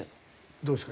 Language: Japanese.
どうですか？